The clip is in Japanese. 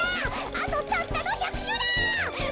あとたったの１００しゅうだ！